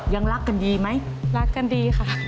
ยังรักกันดีไหมรักกันดีค่ะ